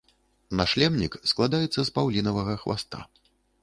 Нашлемнік складаецца з паўлінавага хваста.